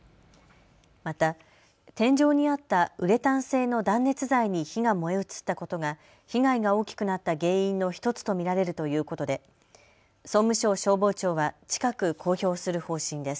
また天井にあったウレタン製の断熱材に火が燃え移ったことが被害が大きくなった原因の１つと見られるということで総務省消防庁は近く公表する方針です。